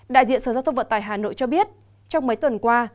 đại diện sở giao thông vận tải hà nội cho biết trong mấy tuần qua